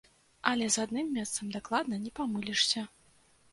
Але з адным месцам дакладна не памылішся.